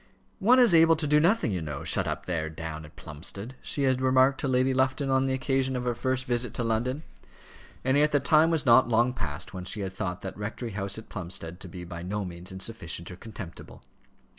"One is able to do nothing, you know, shut up there, down at Plumstead," she had remarked to Lady Lufton on the occasion of her first visit to London, and yet the time was not long past when she had thought that rectory house at Plumstead to be by no means insufficient or contemptible.